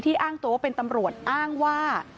อ้างตัวว่าเป็นตำรวจอ้างว่า